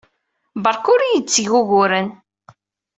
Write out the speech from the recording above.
Beṛka ur iyi-d-tteg uguren.